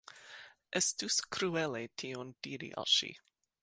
Estus kruele tion diri al ŝi.